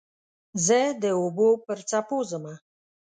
زه د اوبو پر څپو ځمه